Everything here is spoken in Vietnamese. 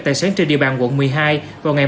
tài sáng trên địa bàn quận một mươi hai vào ngày